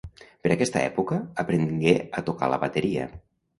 Per aquesta època, aprengué a tocar la bateria.